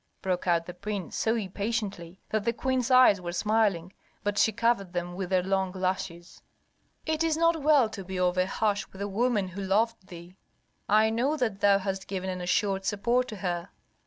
broke out the prince, so impatiently that the queen's eyes were smiling, but she covered them with their long lashes. "It is not well to be over harsh with a woman who loved thee. I know that thou hast given an assured support to her.